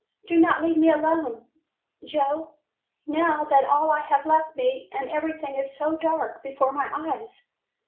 Do not leave me alone, Joe, now that all have left me and everything is so dark before my eyes."